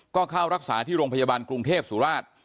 ก็เข้ารักษาที่โรงพยาบาลกรุงเทพสุราช